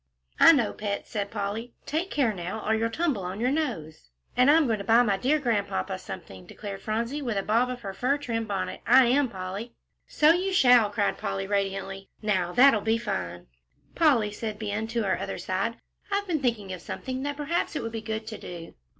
"I know, pet," said Polly; "take care, now, or you'll tumble on your nose." "And I'm going to buy my dear Grandpapa something," declared Phronsie, with a bob of her fur trimmed bonnet; "I am, Polly." "So you shall," cried Polly, radiantly; "now that'll be fine." "Polly," said Ben, on her other side, "I've been thinking of something that perhaps it would be good to do."